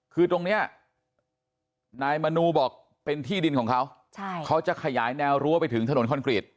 คือตรงนี้นายมนูบอกเป็นที่ดินของเขาเขาจะขยายแนวรั้วไปถึงถนนคอนกรีต